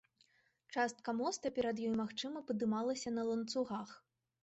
Частка моста перад ёй, магчыма, падымалася на ланцугах.